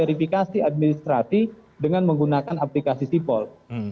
kita akan melakukan verifikasi administratif dengan menggunakan aplikasi sipol